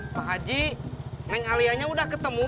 pak haji neng alianya udah ketemu belum